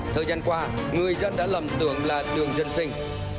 thời gian qua người dân đã lầm tưởng là đường dân sinh